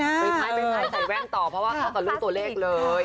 ทำไมใส่แว้นต่อเพราะเขาก็รุ่นตัวเลขเลย